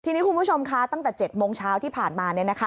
ทีนี้คุณผู้ชมคะตั้งแต่๗โมงเช้าที่ผ่านมา